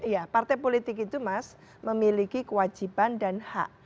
ya partai politik itu mas memiliki kewajiban dan hak